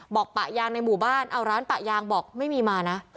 ปะยางในหมู่บ้านเอาร้านปะยางบอกไม่มีมานะ